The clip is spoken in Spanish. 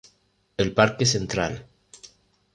El Parque Central